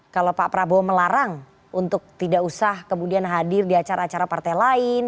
kalau pak prabowo melarang untuk tidak usah kemudian hadir di acara acara partai lain